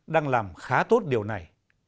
đang làm khá tốt điều này